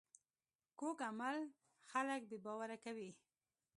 کوږ عمل خلک بې باوره کوي